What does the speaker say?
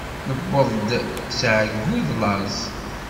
Newweḍ-d s εeyyu d laẓ.